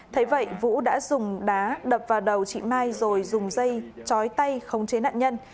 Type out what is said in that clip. thế vậy vũ đã dùng đá đập vào đầu chị mai rồi dùng dây chói tay khống chế nạn nhân